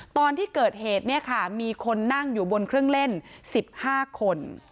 ตอนที่เกิดเหตุเนี่ยค่ะมีคนนั่งอยู่บนเครื่องเล่น๑๕คน